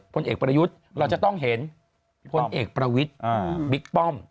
ผลเอกประวิทธิ์บิ๊กป้อม